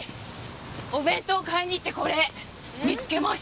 お弁当買いに行ってこれ見つけました。